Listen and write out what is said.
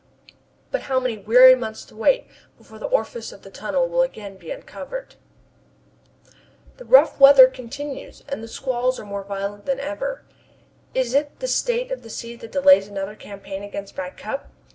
But how many weary months to wait before the orifice of the tunnel will again be uncovered! The rough weather continues, and the squalls are more violent than ever. Is it the state of the sea that delays another campaign against Back Cup?